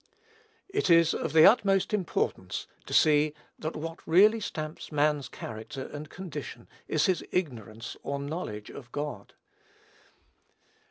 It is of the utmost importance to see that what really stamps man's character and condition is his ignorance or knowledge of God.